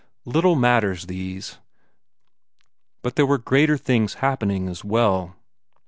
Little matters these, but there were greater things happening as well.